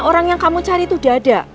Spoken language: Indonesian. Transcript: orang yang kamu cari itu udah ada